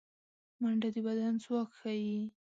منډه د بدن ځواک ښيي